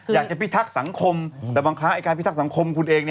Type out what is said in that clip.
อยากจะพิทักษ์สังคมแต่บางครั้งการพิทักษ์สังคมคุณเอง